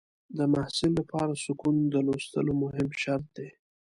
د محصل لپاره سکون د لوستلو مهم شرط دی.